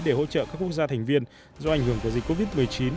để hỗ trợ các quốc gia thành viên do ảnh hưởng của dịch covid một mươi chín